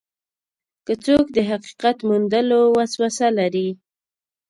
که څوک د حقیقت موندلو وسوسه لري.